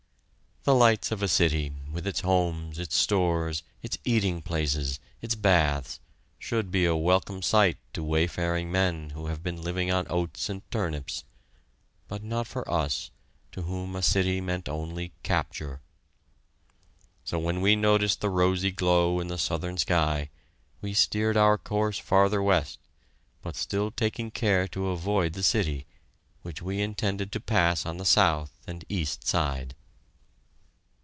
The lights of a city, with its homes, its stores, its eating places, its baths, should be a welcome sight to wayfaring men who have been living on oats and turnips, but not for us, to whom a city meant only capture. So when we noticed the rosy glow in the southern sky we steered our course farther west, but still taking care to avoid the city, which we intended to pass on the south and east side.